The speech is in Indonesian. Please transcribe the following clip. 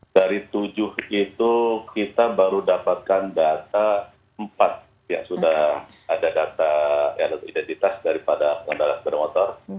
dari tujuh itu kita baru dapatkan data empat yang sudah ada data identitas daripada pengendara sepeda motor